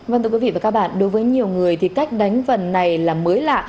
vâng thưa quý vị và các bạn đối với nhiều người thì cách đánh vần này là mới lạ